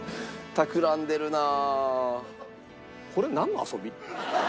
たくらんでるなあ！